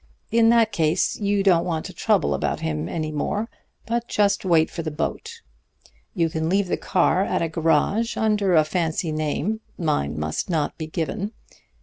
In that case you don't want to trouble about him any more, but just wait for the boat. You can leave the car at a garage under a fancy name mine must not be given.